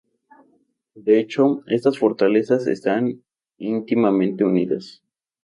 De hecho, estas fortalezas están íntimamente unidas.